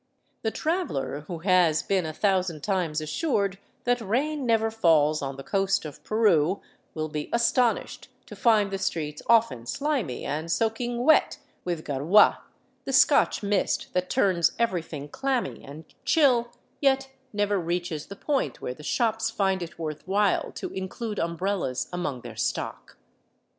The traveler who has been a thousand times assured that rain never falls on the coast of Peru will be astonished to find the streets often slimy and soaking wet with gariia, the Scotch mist that turns everything clammy and chill, yet never reaches the point where the shops find it worth while to include umbrellas among their stock.